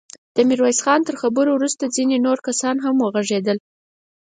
د ميرويس خان له خبرو وروسته ځينې نور کسان هم وغږېدل.